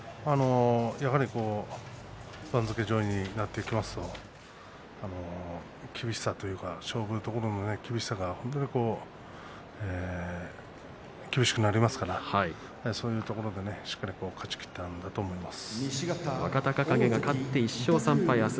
番付上位になってきますと厳しさといいますか勝負どころの厳しさが本当に厳しくなりますからそういうところで勝ち切ったんだと思います。